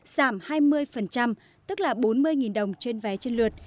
giảm hai mươi tức là bốn mươi đồng trên vé trên lượt